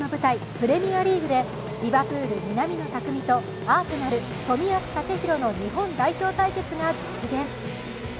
プレミアリーグでリヴァプール・南野拓実とアーセナル・冨安健洋の日本代表対決が実現。